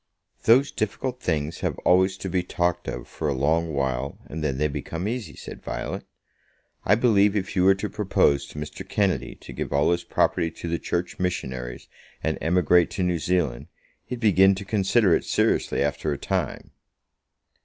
"Those difficult things have always to be talked of for a long while, and then they become easy," said Violet. "I believe if you were to propose to Mr. Kennedy to give all his property to the Church Missionaries and emigrate to New Zealand, he'd begin to consider it seriously after a time."